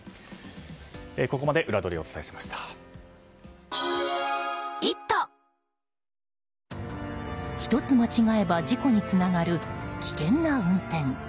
ここまでウラどりを１つ間違えば事故につながる危険な運転。